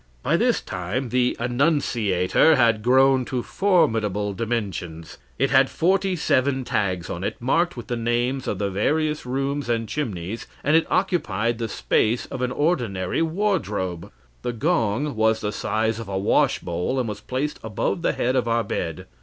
"By this time the 'annunciator' had grown to formidable dimensions. It had forty seven tags on it, marked with the names of the various rooms and chimneys, and it occupied the space of an ordinary wardrobe. The gong was the size of a wash bowl, and was placed above the head of our bed.